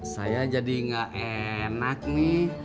saya jadi gak enak nih